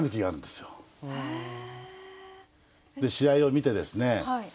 で試合を見てですね